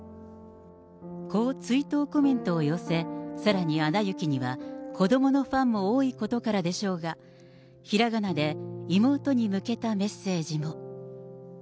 こう追悼コメントを寄せ、さらにアナ雪には子どものファンも多いことからでしょうが、ひらがなで妹に向けたメッセージも。